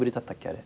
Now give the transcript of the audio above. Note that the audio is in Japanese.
あれ。